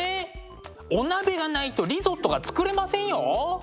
お鍋がないとリゾットが作れませんよ。